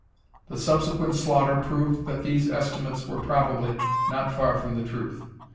The subsequent slaughter proved that these estimates were probably not far from the truth.